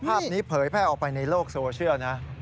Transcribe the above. ภาพนี้เผยแพร่ออกไปในโลกโซเชียลนะ